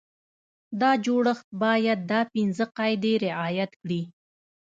دا جوړښت باید دا پنځه قاعدې رعایت کړي.